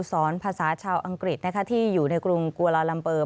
สอนภาษาชาวอังกฤษที่อยู่ในกรุงกวาลาลัมเปอร์